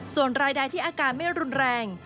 ส่วนรายใดที่อาการไม่รุนแรง